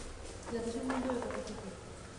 জাতি সম্বন্ধেও এই কথা খাটে।